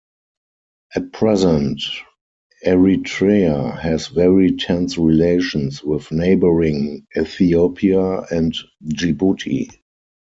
At present, Eritrea has very tense relations with neighboring Ethiopia and Djibouti.